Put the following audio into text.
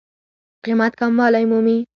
قېمت کموالی مومي.